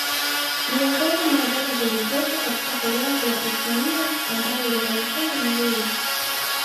Miongoni mwa zana zilizopo katika korongo la Isimila ambalo lina mikondo miwili